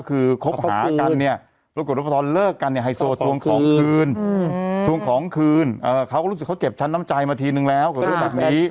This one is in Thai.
คืนเขาก็รู้สึกเขาเก็บชั้นน้ำใจมาทีนึงแล้วก็จะแบบนี้